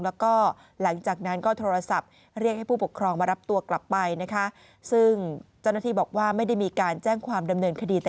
แล้วก็หลังจากนั้นก็โทรศัพท์เรียกให้ผู้ปกครองมารับตัวกลับไปนะคะ